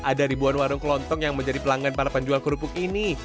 ada ribuan warung kelontong yang menjadi pelanggan para penjual kerupuk ini